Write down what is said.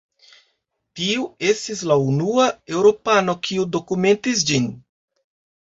Tiu estis la unua eŭropano kiu dokumentis ĝin.